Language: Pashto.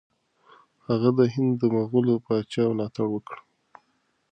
هغه د هند د مغول پاچا ملاتړ وکړ.